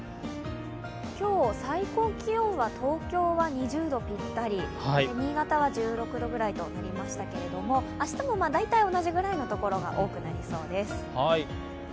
今日、最高気温は２０度ぴったり、新潟は１６度くらいとなりましたけど、明日も大体同じぐらいのところが多くなりそうです。